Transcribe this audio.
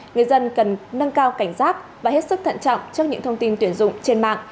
người dân cần nâng cao cảnh giác và hết sức thận trọng trước những thông tin tuyển dụng trên mạng